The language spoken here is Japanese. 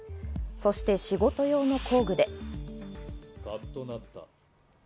そして仕事用の工具で。